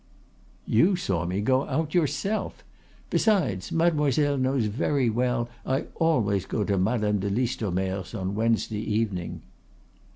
"You saw me go out, yourself. Besides, Mademoiselle knows very well I always go to Madame de Listomere's on Wednesday evening."